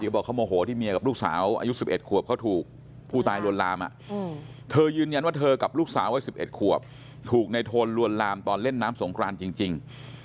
บอกเขาโมโหที่เมียกับลูกสาวอายุ๑๑ขวบเขาถูกผู้ตายลวนลามเธอยืนยันว่าเธอกับลูกสาวไว้๑๑ขวบถูกในโทนลวนลามตอนเล่นน้ำสงครานจริง